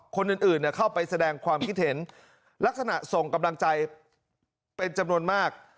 คนอื่นเข้าไปแสดงความคิดเห็นลักษณะส่งกำลังใจเป็นจำนวนมาก